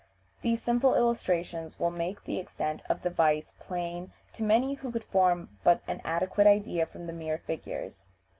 These simple illustrations will make the extent of the vice plain to many who could form but an inadequate idea from the mere figures.